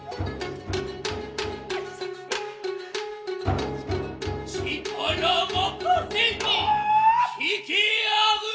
「力任せに引き上ぐれば」